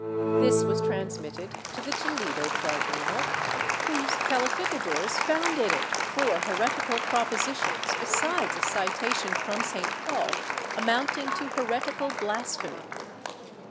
This was transmitted to the Toledo tribunal, whose cali ficadores found in it four heretical propositions besides a citation from St. Paul amounting to heretical blasphemy.